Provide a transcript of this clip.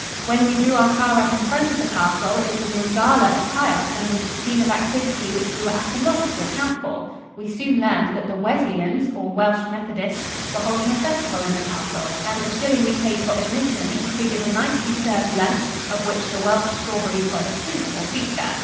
When we drew our car up in front of the castle it was in gala attire and was the scene of activity which we were at a loss to account for. We soon learned that the Wesleyans, or Welsh Methodists, were holding a festival in the castle, and the shilling we paid for admission included a nicely served lunch, of which the Welsh strawberries were the principal feature.